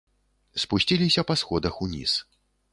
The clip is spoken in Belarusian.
Спусціліся па сходах уніз.